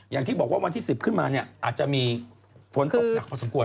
อย่างที่บอกว่าวันที่๑๐ขึ้นมาเนี่ยอาจจะมีฝนตกหนักพอสมควร